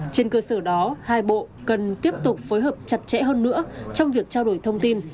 trên cơ sở đó hai bộ cần tiếp tục phối hợp chặt chẽ hơn nữa trong việc trao đổi thông tin